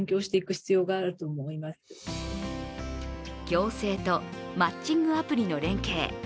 行政とマッチングアプリの連携。